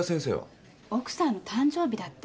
奥さんの誕生日だって。